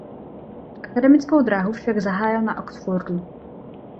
Akademickou dráhu však zahájil na Oxfordu.